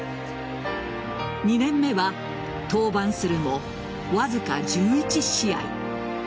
２年目は登板するもわずか１１試合。